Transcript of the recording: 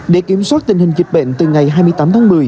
để kiểm soát tình hình dịch bệnh từ ngày hai mươi tám tháng một mươi